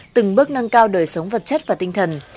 từng bước nâng cao đời sống vật chất và tinh thần